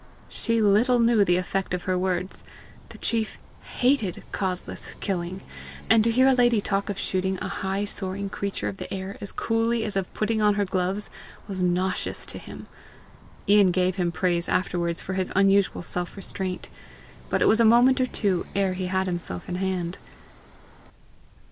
She little knew the effect of her words; the chief HATED causeless killing; and to hear a lady talk of shooting a high soaring creature of the air as coolly as of putting on her gloves, was nauseous to him. Ian gave him praise afterwards for his unusual self restraint. But it was a moment or two ere he had himself in hand.